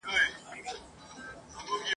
د خپلو تبلیغاتو لپاره کاروي !.